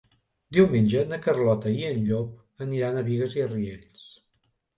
Diumenge na Carlota i en Llop aniran a Bigues i Riells.